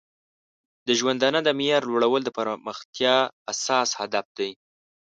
د ژوندانه د معیار لوړول د پرمختیا اساسي هدف دی.